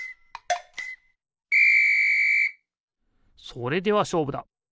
それではしょうぶだ。